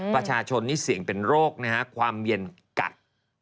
ประชาชนนี่เสี่ยงเป็นโรคนะฮะความเย็นกัด